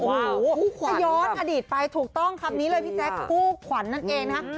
คู่ขวัญครับถูกต้องครับนี่เลยพี่แจ๊กคู่ขวัญนั่นเองนะครับ